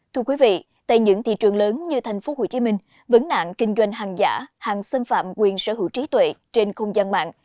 thưa quý vị tại những thị trường lớn như thành phố hồ chí minh vấn nạn kinh doanh hàng giả hàng xâm phạm quyền sở hữu trí tuệ trên không gian mạng